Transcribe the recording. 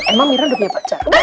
emang mirna udah punya pacar